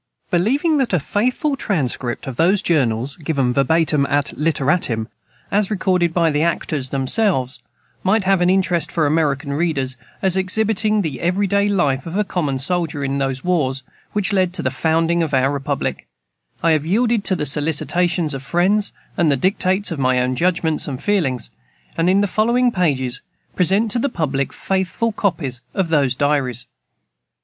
Believing that a faithful transcript of those Journals, given verbatim et literatim, as recorded by the actors themselves, might have an interest for American readers, as exhibiting the every day life of a common soldier in those wars which led to the founding of our republic, I have yielded to the solicitations of friends, and the dictates of my own judgment and feelings, and in the following pages present to the public faithful copies of those diaries.